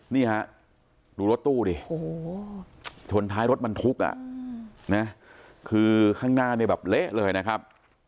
นี่ฮะดูรถตู้ดิโอ้โหชนท้ายรถบรรทุกอ่ะนะคือข้างหน้าเนี่ยแบบเละเลยนะครับ